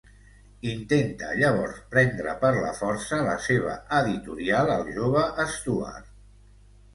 Intenta llavors prendre per la força la seva editorial al jove Stuart.